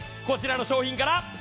こちらの商品から。